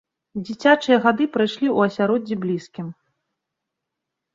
Дзіцячыя гады прайшлі ў асяроддзі блізкім.